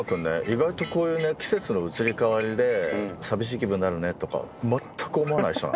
意外とこういう季節の移り変わりで寂しい気分になるねとかまったく思わない人なの。